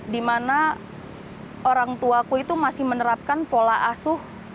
dimana orang tuaku itu masih menerapkan pola asuh